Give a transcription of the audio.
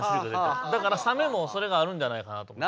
だからサメもそれがあるんじゃないかなと思って。